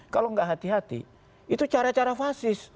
kalau nggak hati hati itu cara cara fasis